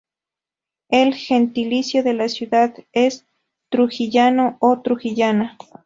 El gentilicio de la ciudad es "trujillano" o "trujillana".